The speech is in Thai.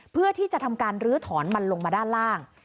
เพื่อที่จะทำการลื้อถอนมันลงมาด้านล่าง